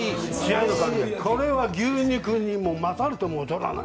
これは牛肉にも勝るとも劣らない。